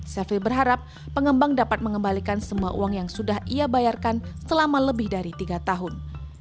sevi berharap pengembang dapat mengembalikan semua uang yang sudah ia bayarkan selama lebih dari tiga tahun